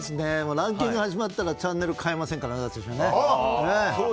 ランキング始まったらチャンネル変えませんからね。